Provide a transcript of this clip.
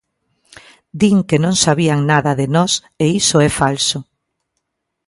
"Din que non sabían nada de nós e iso é falso".